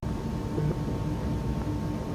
kama alivyopata akiwa na Klabu yake ya Barcelona